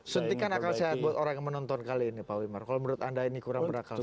suntikan akal sehat buat orang yang menonton kali ini pak wimar kalau menurut anda ini kurang berakal